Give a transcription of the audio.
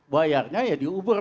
bayarnya ya di uber